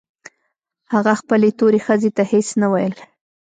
هغه خپلې تورې ښځې ته هېڅ نه ويل.